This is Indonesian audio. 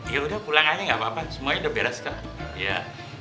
ya udah pulang aja nggak apa apa semuanya udah beres kak